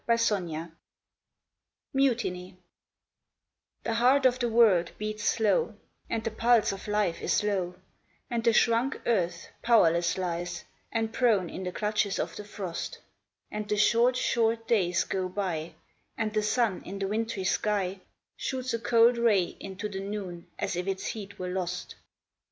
66 MUTINY MUTINY ^TMIE heart of the world beats slow, And the pulse of life is low, And the shrunk earth powerless lies, and prone in the clutches of the frost ; And the short, short days go by, And the sun in the wintry sky Shoots a cold ray into the noon as if its heat were lost.